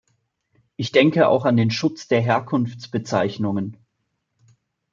Ich denke auch an den Schutz der Herkunftsbezeichnungen.